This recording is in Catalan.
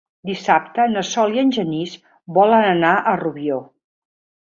Dissabte na Sol i en Genís volen anar a Rubió.